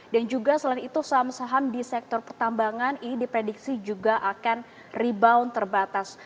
dan juga selain itu saham saham di sektor pertambangan ini diprediksi juga akan rebound terbatas